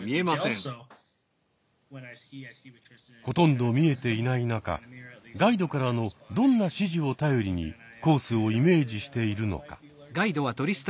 ほとんど見えていない中ガイドからのどんな指示を頼りにコースをイメージしているのか。